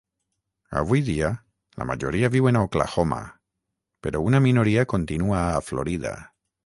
Avui dia la majoria viuen a Oklahoma, però una minoria continua a Florida.